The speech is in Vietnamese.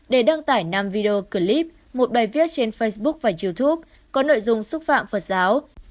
để đăng tải năm video clip một bài viết trên facebook và youtube có nội dung xúc phạm phật giáo